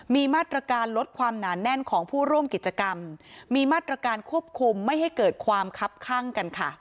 มีมาตรการลดความหนาแน่นของผู้ร่วมกิจกรรมมีมาตรการควบคุมไม่ให้เกิดความคับข้างกันค่ะ